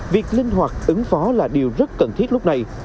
việc linh hoạt ứng phó là điều rất cần thiết lúc này